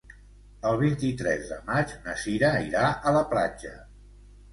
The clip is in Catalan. El vint-i-tres de maig na Sira irà a la platja.